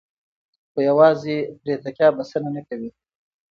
خو یوازې پرې تکیه بسنه نه کوي.